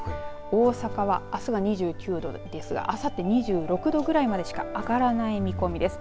大阪はあすが２９度ですがあさって２６度ぐらいまでしか上がらない見込みです。